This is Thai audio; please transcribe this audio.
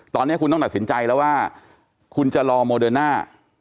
ตอนนี้คุณต้องตัดสินใจแล้วว่าคุณจะรอโมเดิร์น่า